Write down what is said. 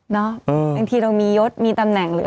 เนอะเออบางทีเราก็มียดมีตำแหน่งหรือ